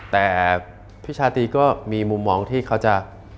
แต่พี่ชาตรีก็มีมุมมองที่เขาจะ